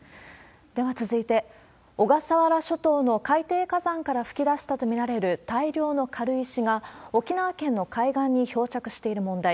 では続いて、小笠原諸島の海底火山から噴き出したと見られる大量の軽石が、沖縄県の海岸に漂着している問題。